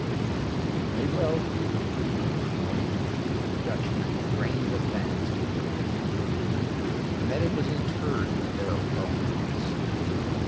It may well be that Vermuyden and the Dutchmen who drained the fens did good, and that it was interred with their bones.